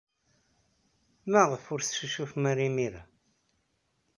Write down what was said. Maɣef ur teccucufem ara imir-a?